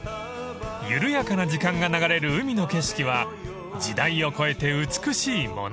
［緩やかな時間が流れる海の景色は時代を超えて美しいものに］